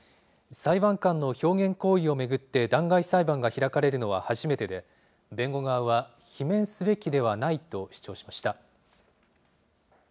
裁判官の表現行為を巡って弾劾裁判が開かれるのは初めてで、弁護側は罷免すべきではないと主張しました。